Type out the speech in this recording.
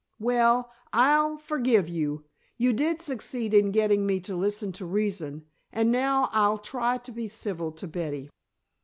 "Well, I'll forgive you. You did succeed in getting me to listen to reason and now I'll try to be civil to Betty."